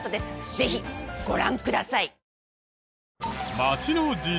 ぜひご覧ください！